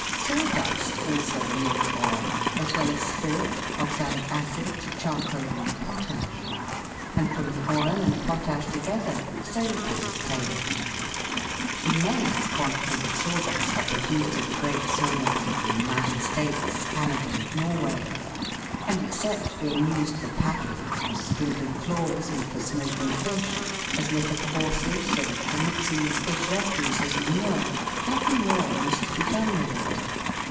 Sawdust also yields oil, as well as spirit, oxalic acid, charcoal, and potash ; and from the oil and potash together, soap is obtained. Immense quantities of sawdust are pro duced in the great saw mills of the United States, Canada, and Norway ; and except being used for packing, for sprinkling floors, and for smoking fish, as litter for horses, and for mixing with fish refuse as manure, nothing more used to be done with it.